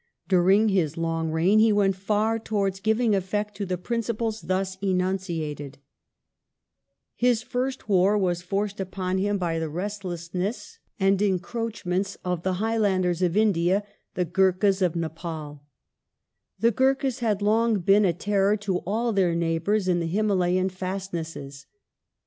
During his long reign he went far towards giving effect to the principles thus enunciated. His fii st war was forced upon him by the restlessness and en 262 GROWTH OF THE BRITISH POWER IN INDIA [1740 croachments of the " Highlanders of India/' the Gurkhas of Nepal. The Gurkhas had long been a terror to all their neighbours in the Himalayan fastnesses.